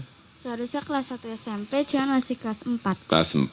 seharusnya kelas satu smp jangan masih kelas empat